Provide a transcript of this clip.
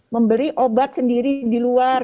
memberi obat sendiri di luar